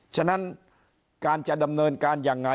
ฉะนั้นการจะดำเนินการยังไง